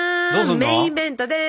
メインイベントです！